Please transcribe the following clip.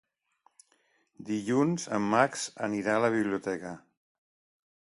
Dilluns en Max anirà a la biblioteca.